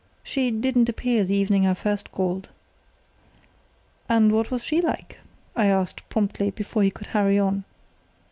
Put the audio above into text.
She didn't appear the evening I first called." "And what was she like?" I asked, promptly, before he could hurry on.